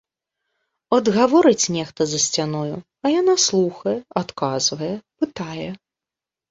От гаворыць нехта за сцяною, а яна слухае, адказвае, пытае.